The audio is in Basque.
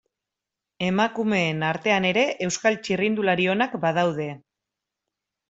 Emakumeen artean ere, Euskal txirrindulari onak badaude.